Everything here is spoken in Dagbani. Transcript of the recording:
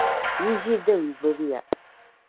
Yi ʒi din gbibi ya.